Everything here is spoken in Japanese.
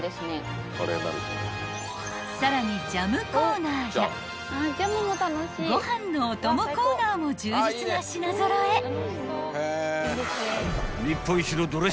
［さらにジャムコーナーやご飯のお供コーナーも充実な品揃え］